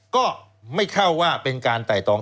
ก็ไม่เข้าว่าเป็นการไต่ตอง